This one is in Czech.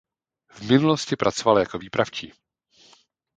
V minulosti pracoval jako výpravčí.